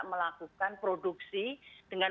melakukan produksi dengan